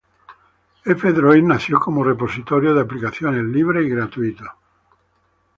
F-Droid nació como repositorio de aplicaciones libre y gratuito.